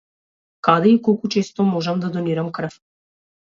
Каде и колку често можам да донирам крв?